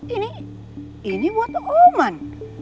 ini ini buat oman